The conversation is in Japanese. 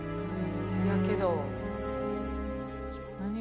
やけど何？